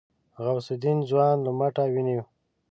غوث الدين ځوان له مټه ونيو.